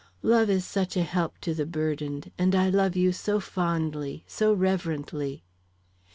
Love is such a help to the burdened, and I love you so fondly, so reverently."